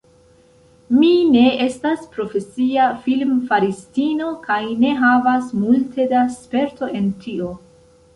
Mi ne estas profesia filmfaristino kaj ne havas multe da sperto en tio.